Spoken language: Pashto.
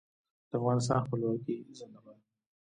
د افغانستان خپلواکي زنده باد.